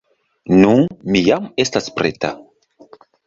Nu, mi jam estas preta.